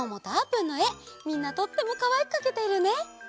みんなとってもかわいくかけているね。